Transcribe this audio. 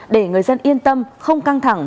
để người dân yên tâm không căng thẳng